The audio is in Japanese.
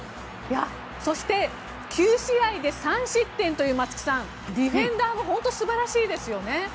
そして９試合で３失点というディフェンダーも本当に素晴らしいですよね。